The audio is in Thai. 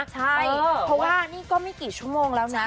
ใช่เพราะว่านี่ก็ไม่กี่ชั่วโมงแล้วนะ